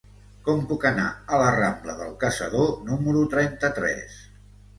Com puc anar a la rambla del Caçador número trenta-tres?